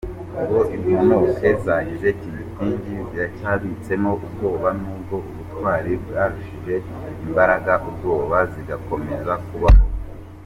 Ngo imponoke zageze Tingitingi ziracyabitsemo ubwoba n’ubwo ubutwari bwarushije imbaraga ubwoba zigakomeza kubaho.